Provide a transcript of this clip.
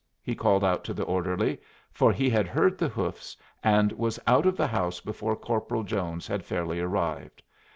he called out to the orderly; for he had heard the hoofs, and was out of the house before Corporal Jones had fairly arrived.